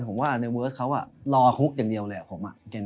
ผมว่าในเวิร์สเค้าอะรอคลุกอย่างเดียวแหละผมอ่ะ